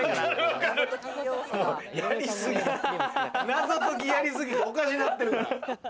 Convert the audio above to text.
謎解きやりすぎて、おかしなってる。